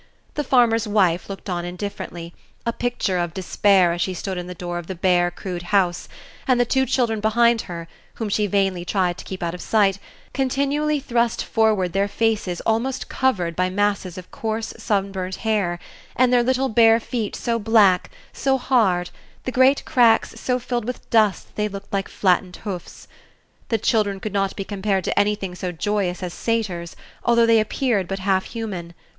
The farmer's wife looked on indifferently, a picture of despair as she stood in the door of the bare, crude house, and the two children behind her, whom she vainly tried to keep out of sight, continually thrust forward their faces almost covered by masses of coarse, sunburned hair, and their little bare feet so black, so hard, the great cracks so filled with dust that they looked like flattened hoofs. The children could not be compared to anything so joyous as satyrs, although they appeared but half human.